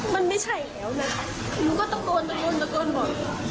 มันไม่ใช่แล้วนะคะหนูก็ตะโกนตะโกนบอก